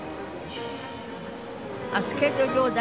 あっスケート場だ。